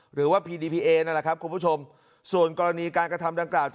หรือว่าพีดีพีเอนั่นแหละครับคุณผู้ชมส่วนกรณีการกระทำดังกล่าว